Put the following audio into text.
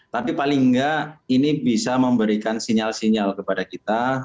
tapi paling nggak ini bisa memberikan sinyal sinyal kepada kita